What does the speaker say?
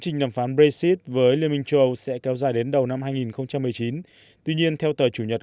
trình đàm phán brexit với liên minh châu âu sẽ kéo dài đến đầu năm hai nghìn một mươi chín tuy nhiên theo tờ chủ nhật